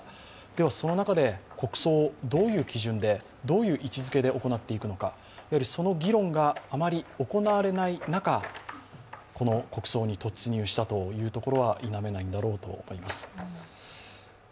では、その中で国葬をどういう基準で、どういう位置づけで行っていくのか、その議論があまり行われない中、国葬に突入したというところは否めないんだろうと思います。